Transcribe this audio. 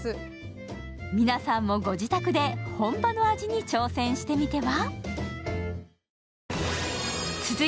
皆さんもご自宅で、本場の味に挑戦してみては。